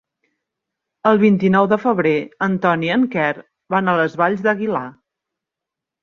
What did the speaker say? El vint-i-nou de febrer en Ton i en Quer van a les Valls d'Aguilar.